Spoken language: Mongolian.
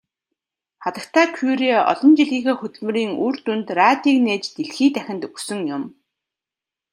Хатагтай Кюре олон жилийнхээ хөдөлмөрийн үр дүнд радийг нээж дэлхий дахинд өгсөн юм.